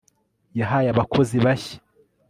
yahaye abakozi bashya